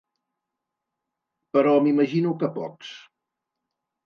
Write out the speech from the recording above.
Però m’imagino que pocs.